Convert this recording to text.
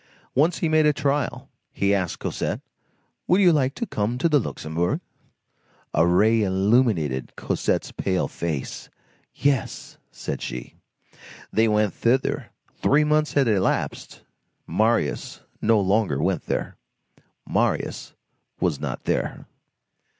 Once he made a trial. He asked Cosette:— "Would you like to come to the Luxembourg?" A ray illuminated Cosette's pale face. "Yes," said she. They went thither. Three months had elapsed. Marius no longer went there. Marius was not there.